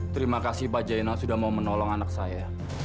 terima kasih pak jainal sudah mau menolong anak saya